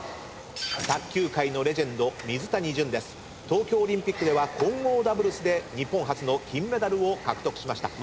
東京オリンピックでは混合ダブルスで日本初の金メダルを獲得しました。